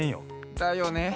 だよね！